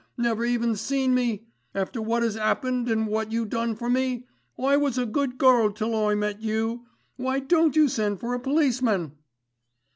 Never even seen me. After what 'as 'appened and what you done for me. I was a good gurl till I met you. Why don't you send for a policeman?"